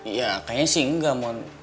ya kayaknya sih enggak mon